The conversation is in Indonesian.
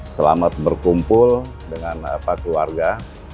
selamat berkumpul dengan keluarga